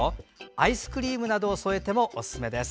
アイスクリームなどを添えてもおすすめです。